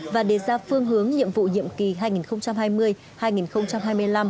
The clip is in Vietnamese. và đề ra phương hướng nhiệm vụ nhiệm kỳ hai nghìn hai mươi hai nghìn hai mươi năm